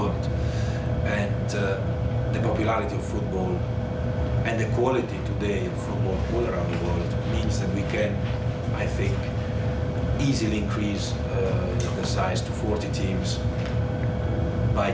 ก็มีโอกาสที่กรุงทางการแห่งเมียนินไทย